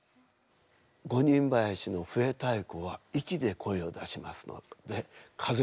五人囃子の笛太鼓は息で声を出しますので風の音。